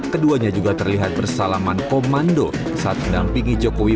keduanya juga terlihat bersalaman komando saat mendampingi jokowi